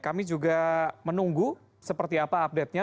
kami juga menunggu seperti apa update nya